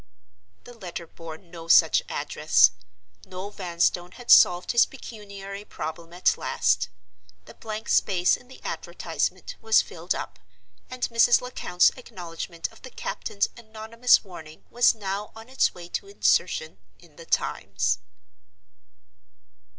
The letter bore no such address. Noel Vanstone had solved his pecuniary problem at last. The blank space in the advertisement was filled up, and Mrs. Lecount's acknowledgment of the captain's anonymous warning was now on its way to insertion in the Times.